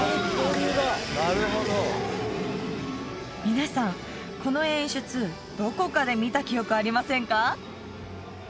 皆さんこの演出どこかで見た記憶ありませんか？